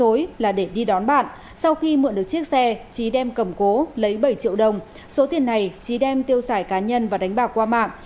trịnh minh trí đã lừa bạn để đi đón bạn sau khi mượn được chiếc xe trí đem cầm cố lấy bảy triệu đồng số tiền này trí đem tiêu xài cá nhân và đánh bạc qua mạng